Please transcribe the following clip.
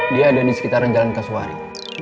dia ada di sekitaran jalan kasuari